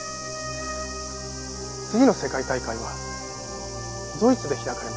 次の世界大会はドイツで開かれます。